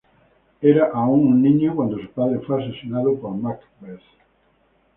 Era aún un niño cuando su padre fue asesinado por Macbeth.